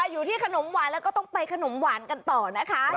อยู่ที่ขนมหวานแล้วก็ต้องไปขนมหวานกันต่อนะคะ